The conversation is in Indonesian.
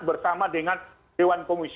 bersama dengan dewan komunikasi pembangunan manusia